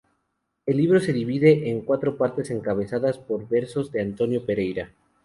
El libro se divide en cuatro partes encabezadas por versos de Antonio Pereira.